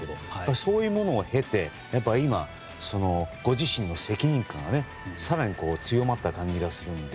そういうものを経て今、ご自身の責任感が更に強まった感じがするので。